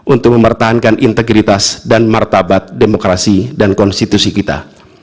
untuk mempertahankan integritas dan martabat demokrasi dan konstitusi kita